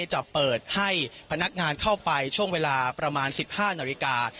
จะเปิดให้พนักงานเข้าไปช่วงเวลาประมาณ๑๕นาฬิกา